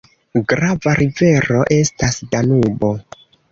Grava rivero estas Danubo.